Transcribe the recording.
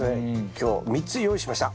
今日３つ用意しました。